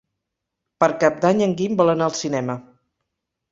Per Cap d'Any en Guim vol anar al cinema.